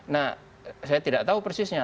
nah saya tidak tahu persisnya